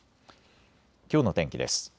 きょうの天気です。